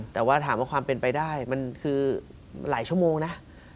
แต่ว่าถามว่าความเป็นไปได้มันคือหลายชั่วโมงนะ